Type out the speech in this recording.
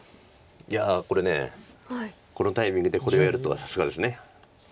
いやこれこのタイミングでこれをやるとはさすがです。